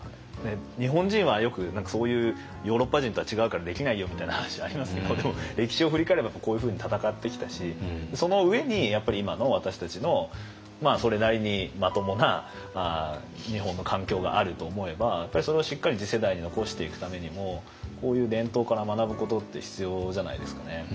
日本人はよく何かそういうヨーロッパ人とは違うからできないよみたいな話ありますけどでも歴史を振り返ればこういうふうに闘ってきたしその上にやっぱり今の私たちのそれなりにまともな日本の環境があると思えばやっぱりそれをしっかり次世代に残していくためにもこういう伝統から学ぶことって必要じゃないですかね。